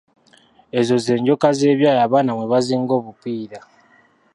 Ezo ze njoka z'ebyayi abaana mwe bazinga obupiira.